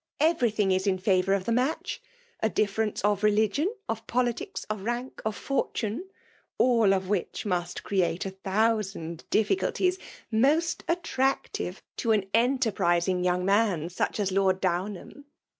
" Every thing is in favour of the match. A difference of religiont of politics, of rank, of fortune ; all which must create a thousand difficidties most attractive to an enterprising young man such as Lord Downham.